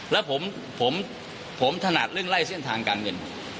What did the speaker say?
แล้วผมถนัดเรื่องไล่เส้นทางการเงิน